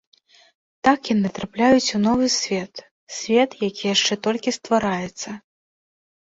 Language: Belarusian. Так яны трапляюць у новы свет, свет, які яшчэ толькі ствараецца.